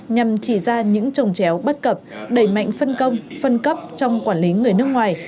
nhằm chỉ ra những trồng chéo bất cập đẩy mạnh phân công phân cấp trong quản lý người nước ngoài